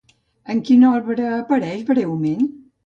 En quina obra apareix breument?